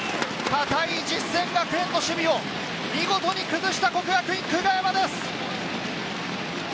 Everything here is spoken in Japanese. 高い実践学園の守備を見事に崩した國學院久我山です。